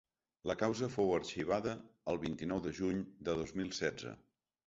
La causa fou arxivada el vint-i-nou de juny de dos mil setze.